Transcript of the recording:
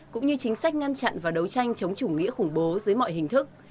cũng như chính sách ngăn chặn và đấu tranh chống chủ nghĩa khủng bố dưới mọi hình thức